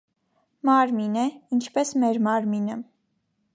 մարմին է, ինչպես մեր մարմինը.